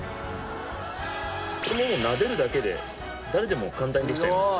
これもなでるだけで誰でも簡単にできちゃいます。